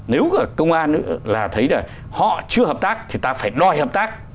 nếu cả công an thấy là họ chưa hợp tác thì ta phải đòi hợp tác